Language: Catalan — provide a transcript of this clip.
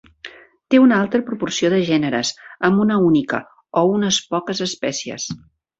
Té una alta proporció de gèneres amb una única o unes poques espècies.